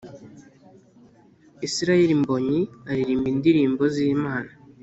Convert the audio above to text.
Israël Mbonyi, aririmba indirimbo z'Imana